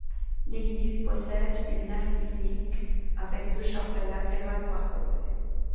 L'église possède une nef unique avec deux chapelles latérales par côtés.